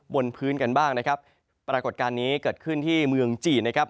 บนพื้นกันบ้างนะครับปรากฏการณ์นี้เกิดขึ้นที่เมืองจีนนะครับ